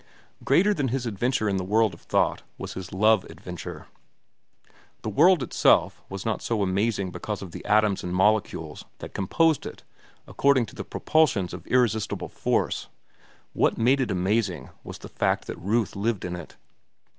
Greater than his adventure in the world of thought was his love adventure. The world itself was not so amazing because of the atoms and molecules that composed it according to the propulsions of irresistible force; what made it amazing was the fact that Ruth lived in it.